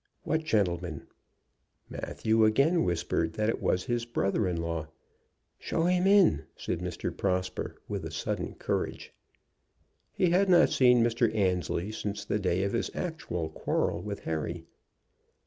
"What gentleman?" Matthew again whispered that it was his brother in law. "Show him in," said Mr. Prosper, with a sudden courage. He had not seen Mr. Annesley since the day of his actual quarrel with Harry.